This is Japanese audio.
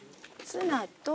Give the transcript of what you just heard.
ツナと。